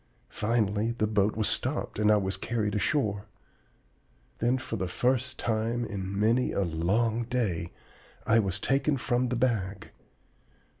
Finally the boat was stopped and I was carried ashore. Then for the first time in many a long day I was taken from the bag.